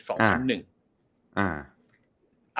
อ่า